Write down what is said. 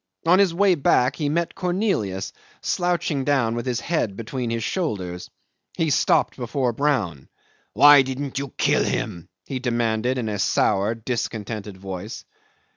On his way back he met Cornelius slouching down with his head between his shoulders. He stopped before Brown. "Why didn't you kill him?" he demanded in a sour, discontented voice.